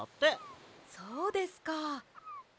そうですか。